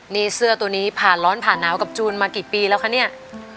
นี่เสื้อตัวนี้ผ่านร้อนผ่านหนาวกับจูนมากี่ปีแล้วคะเนี่ย